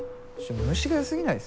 虫がよすぎないですか？